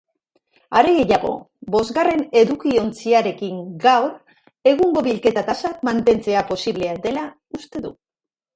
Are gehiago, bosgarren edukiontziarekin gaur egungo bilketa-tasa mantentzea posible dela uste du.